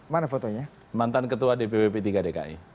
mana fotonya mantan ketua dpp p tiga dki